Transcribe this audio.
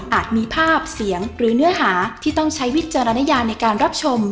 มีภาพเสียงหรือเนื้อหาที่ต้องใช้วิจารณญาในการรับชม